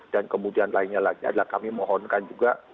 dan kemudian lainnya lagi adalah kami mohonkan juga